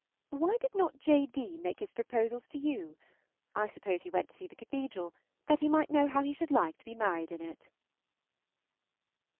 ... Why did not J. D. make his proposals to you? I suppose he went to see the cathedral, that he might know how he should like to be married in it.